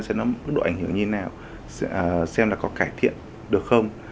xem nó có độ ảnh hưởng như thế nào xem là có cải thiện được không